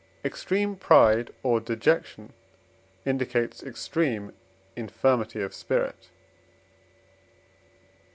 PROP. LVI. Extreme pride or dejection indicates extreme infirmity of spirit.